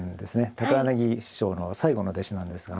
高柳師匠の最後の弟子なんですが。